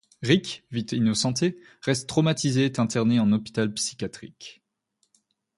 Rick, vite innocenté, reste traumatisé et est interné en hôpital psychiatrique.